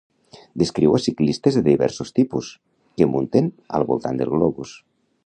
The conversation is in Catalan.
Descriu a ciclistes de diversos tipus, que munten al voltant del globus.